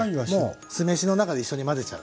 もう酢飯の中で一緒に混ぜちゃう。